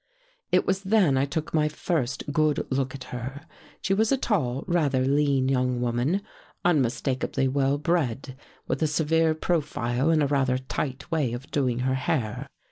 It was then I took my first good look at her. She was a tall, rather lean young woman, unmistakably well bred, with a severe profile and a rather tight way of doing her hair.